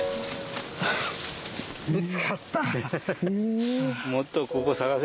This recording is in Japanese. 見つかった。